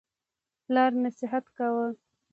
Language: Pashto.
پلار نصیحت کاوه.